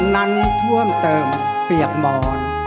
นั้นท่วมเติมเปียกหมอน